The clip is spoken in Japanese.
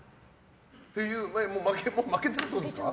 もう負けてるってことですか？